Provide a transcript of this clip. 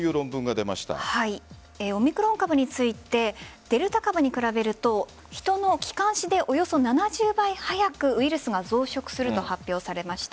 オミクロン株についてデルタ株に比べると人の気管支でおよそ７０倍速くウイルスが増殖すると発表されました。